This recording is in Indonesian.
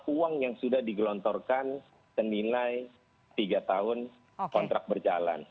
uang yang sudah digelontorkan senilai tiga tahun kontrak berjalan